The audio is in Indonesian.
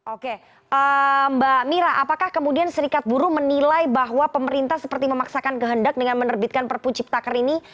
oke mbak mira apakah kemudian serikat buruh menilai bahwa pemerintah seperti memaksakan kehendak dengan menerbitkan prp cipta kerja ini